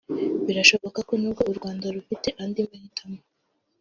Birashoboka ko nubwo u Rwanda rufite andi mahitamo